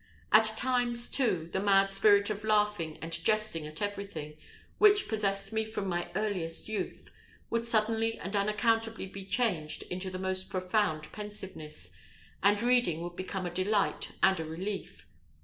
At times, too, the mad spirit of laughing and jesting at everything, which possessed me from my earliest youth, would suddenly and unaccountably be changed into the most profound pensiveness, and reading would become a delight and a relief.